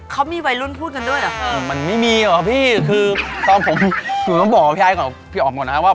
ครับอยู่ดีกว่า